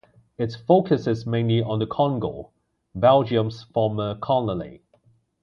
It focuses mainly on the Congo, Belgium's former colony.